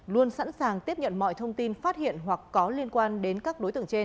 luôn sẵn sàng tiếp nhận mọi thông tin phát hiện hoặc có liên quan đến các đối tượng trên